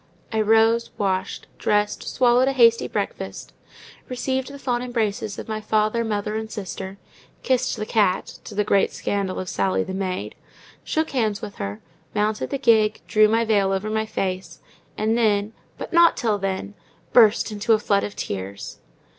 I rose, washed, dressed, swallowed a hasty breakfast, received the fond embraces of my father, mother, and sister, kissed the cat—to the great scandal of Sally, the maid—shook hands with her, mounted the gig, drew my veil over my face, and then, but not till then, burst into a flood of tears.